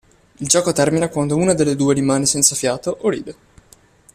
Il gioco termina quando una delle due rimane senza fiato o ride.